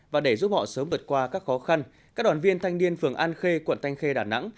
và để giúp họ sớm vượt qua các khó khăn các đoàn viên thanh niên phường an khê quận thanh khê đà nẵng